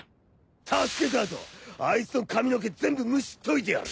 助けた後あいつの髪の毛全部むしっといてやる！